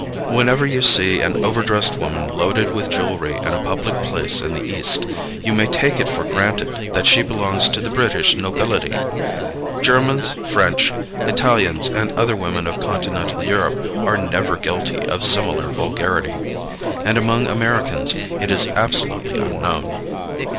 Whenever you see an overdressed woman loaded with jewelry in a public place in the East, you may take it for granted that she belongs to the British nobility. Germans, French, Italians and other women of continental Europe are never guilty of similar vulgarity, and among Americans it is absolutely unknown.